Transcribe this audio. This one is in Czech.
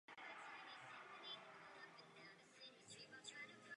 Na přítoku do čistírny prochází voda mechanickým stupněm.